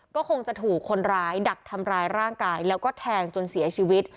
ก็คงจะถูกคนร้ายดักทำร้ายร่างกายแล้วก็แทงจนเสียชีวิต